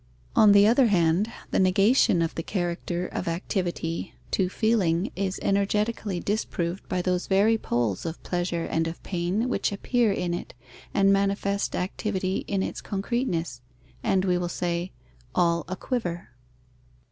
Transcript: On the other hand, the negation of the character of activity to feeling is energetically disproved by those very poles of pleasure and of pain which appear in it and manifest activity in its concreteness, and, we will say, all aquiver.